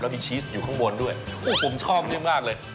มีชีสอยู่ข้างบนด้วยผมชอบนี่มากเลย